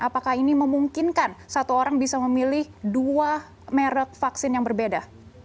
apakah ini memungkinkan satu orang bisa memilih dua merek vaksin yang berbeda